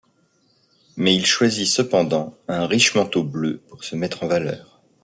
Mais il choisit cependant un riche manteau bleu pour se mettre en valeur.